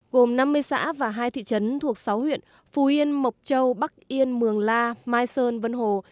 gồm năm mươi xã và hai thị trấn thuộc sáu huyện phú yên mộc châu bắc yên mường la mai sơn vân hồ